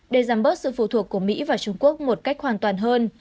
để giảm bớt sự phụ thuộc của mỹ và trung quốc một cách hoàn toàn hơn